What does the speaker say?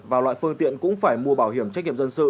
và loại phương tiện cũng phải mua bảo hiểm trách nhiệm dân sự